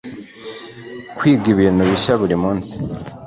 kwiga ibintu bishya buri munsi